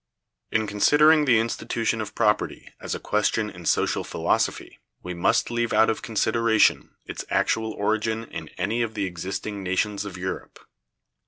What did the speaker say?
In considering the institution of property as a question in social philosophy, we must leave out of consideration its actual origin in any of the existing nations of Europe.